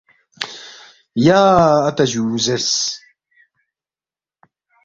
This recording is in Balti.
یا اتا جُو یا زیرس